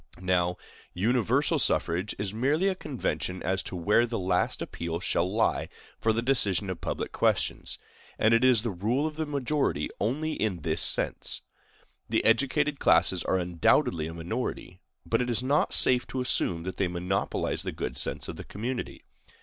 Now, universal suffrage is merely a convention as to where the last appeal shall lie for the decision of public questions; and it is the rule of the majority only in this sense. The educated classes are undoubtedly a minority; but it is not safe to assume that they monopolize the good sense of the community.